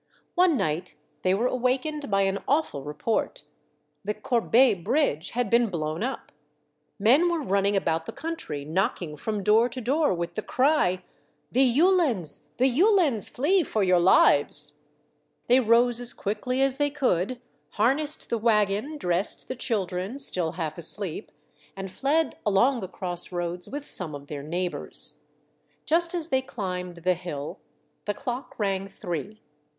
One night they were awakened by an awful report! The Corbeil bridge had been blown up. Men were running about the country, knocking from door to door, with the cry, — "The Uhlans! the Uhlans! Flee for your lives !" They rose as quickly as they could, harnessed the wagon, dressed the children, still half asleep, and fled along the crossroads with some of their neighbors. Just as they climbed the hill, the clock rang three.